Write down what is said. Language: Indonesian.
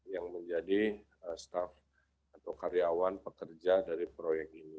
yang menjadi staff atau karyawan pekerja dari proyek ini